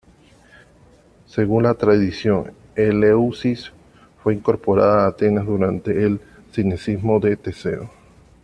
Según la tradición, Eleusis fue incorporada a Atenas durante el sinecismo de Teseo.